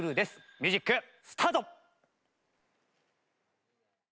ミュージックスタート！